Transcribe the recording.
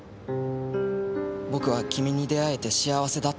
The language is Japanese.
「僕は君に出会えて幸せだった」と。